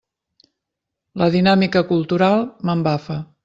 La dinàmica cultural m'embafa.